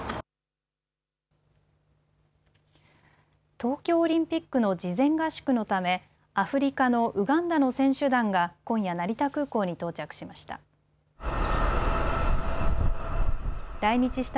東京オリンピックの事前合宿のためアフリカのウガンダの選手団が今夜、成田空港に到着しました。